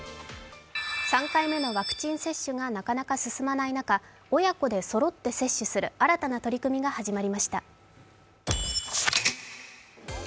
３回目のワクチン接種がなかなか進まない中親子でそろって接種する新たな取り組みが始まりました。